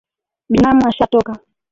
Binamu ashatoka